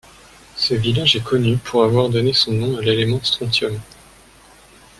Ce village est connu pour avoir donné son nom à l'élément strontium.